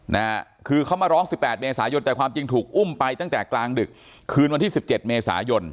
นะฮะคือเขามาร้องสิบแปดเมษายนแต่ความจริงถูกอุ้มไปตั้งแต่กลางดึกคืนวันที่สิบเจ็ดเมษายน